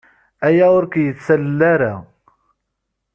Aya ur k-yettalel ara.